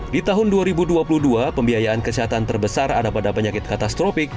di tahun dua ribu dua puluh dua pembiayaan kesehatan terbesar ada pada penyakit katastropik